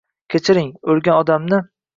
Kechiringiz oʻlgan odamni.